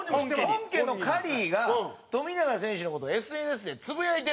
本家のカリーが富永選手の事ＳＮＳでつぶやいてるんですよ。